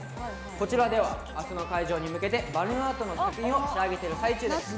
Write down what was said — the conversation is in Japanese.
こちらでは、明日の開場に向けてバルーンアートの作品を仕上げている最中です。